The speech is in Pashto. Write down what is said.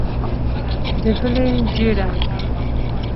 د بلې ژېړه.